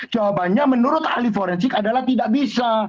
jawabannya menurut ahli forensik adalah tidak bisa